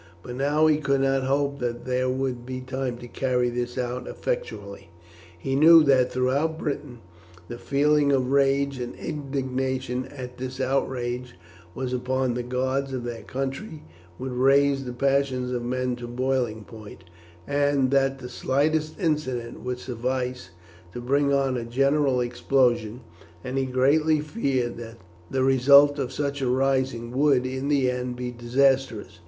But now he could not hope that there would be time to carry this out effectually. He knew that throughout Britain the feeling of rage and indignation at this outrage upon the gods of their country would raise the passions of men to boiling point, and that the slightest incident would suffice to bring on a general explosion, and he greatly feared that the result of such a rising would in the end be disastrous.